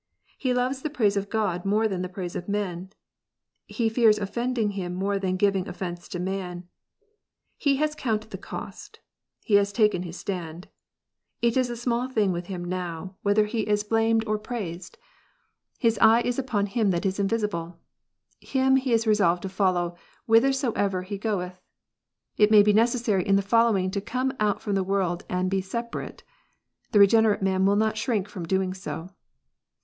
He loves the praise of God more than the praise of man. He fears offending Him more than giving offence to man. He has counted the cost. He has taken his stand. It is a small thing with him now, whether he is blamed 128 KNOTS UNTIED. or praised. His eye is upon Him that is invisible. Him he is resolved to follow whithersoever He goeth. It may be necessary in this following to come out from the world and be separate. The regenerate man will not shrink from doing so.